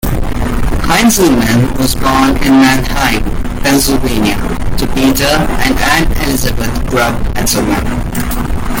Heintzelman was born in Manheim, Pennsylvania, to Peter and Ann Elizabeth Grubb Heintzelman.